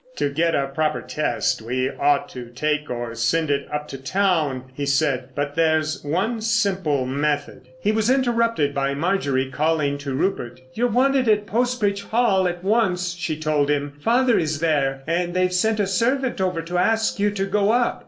"To get a proper test we ought to take or send it up to town," he said. "But there's one simple method——" He was interrupted by Marjorie calling to Rupert. "You're wanted at Post Bridge Hall at once," she told him. "Father is there, and they've sent a servant over to ask you to go up."